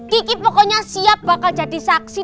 kiki pokoknya siap bakal jadi saksi